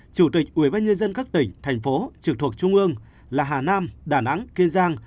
chủ tịch ubnd các tỉnh thành phố trực thuộc trung ương là hà nam đà nẵng kiên giang